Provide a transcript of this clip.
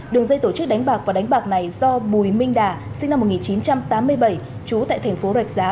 đường dây tổ chức đánh bạc và đánh bạc này do bùi minh đà sinh năm một nghìn chín trăm tám mươi bảy trú tại thành phố rạch giá